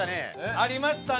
ありましたね。